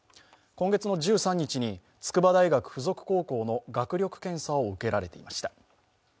今月の１３日に筑波大学付属高校の学力検査を受けられていました。